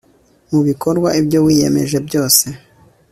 mu bikorwa ibyo wiyemeje byose